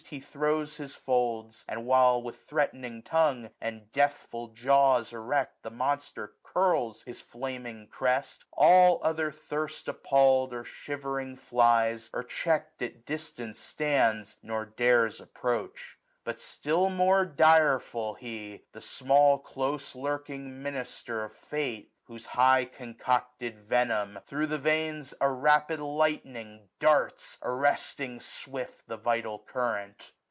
He throws his folds: and while, with threatning tongue. And deathful jaws erect, the monster curls His flaming crest, all other thirst appalPd, 905 Or shivering flies, or checked at distance stands. Nor dares approach. But still more direful he^ The small close lurking minister of Fate, Whose high concocted venom thro* the veins M 2 SUMMER. A rapid lightning darts, arresting swift 910 The vital current.